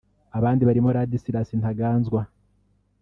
Abandi barimo Ladislas Ntaganzwa